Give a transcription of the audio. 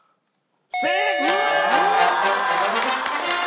正解！